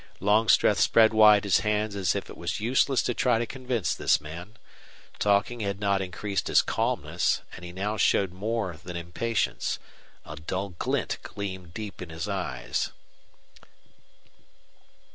Longstreth spread wide his hands as if it was useless to try to convince this man. Talking had not increased his calmness, and he now showed more than impatience. A dull glint gleamed deep in his eyes.